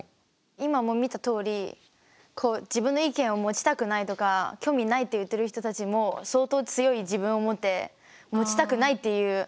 今も見たとおり自分の意見を持ちたくないとか興味ないって言ってる人たちも相当強い自分を持って持ちたくないっていう。